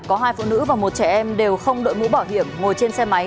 có hai phụ nữ và một trẻ em đều không đội mũ bảo hiểm ngồi trên xe máy